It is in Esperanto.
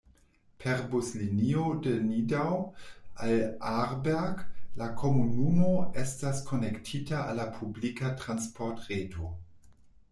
Per buslinio de Nidau al Aarberg la komunumo estas konektita al la publika transportreto.